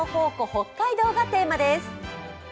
・北海道がテーマです。